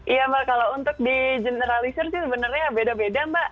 iya mbak kalau untuk di generalisir sih sebenarnya beda beda mbak